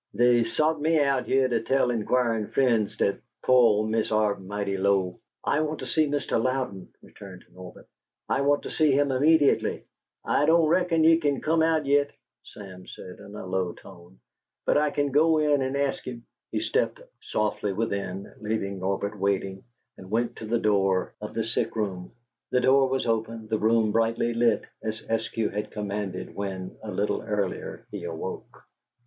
"Dey sot me out heah to tell inquirin' frien's dat po' ole Mist' Arp mighty low." "I want to see Mr. Louden," returned Norbert. "I want to see him immediately." "I don' reckon he kin come out yit," Sam said, in a low tone. "But I kin go in an' ast 'em." He stepped softly within, leaving Norbert waiting, and went to the door of the sick room. The door was open, the room brightly lighted, as Eskew had commanded when, a little earlier, he awoke.